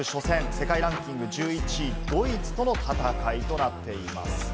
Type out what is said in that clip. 世界ランキング１１位・ドイツとの戦いとなっています。